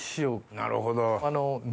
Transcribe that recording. なるほど。